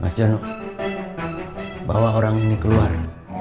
mas jono bawa orang ini keluar